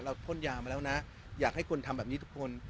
พ่นยามาแล้วนะอยากให้คนทำแบบนี้ทุกคน